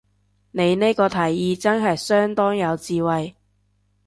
你呢個提議真係相當有智慧